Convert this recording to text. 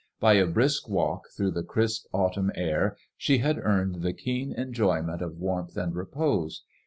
By a brisk walk through the crisp autumn air she had earned the keen enjoyment of warmth and repose.